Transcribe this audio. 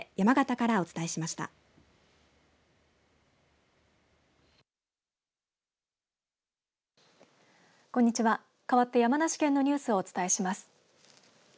かわって山梨県のニュースをお伝えします。